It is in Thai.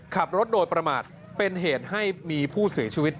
ขับรถโดยประมาทเป็นเหตุให้มีผู้เสียชีวิต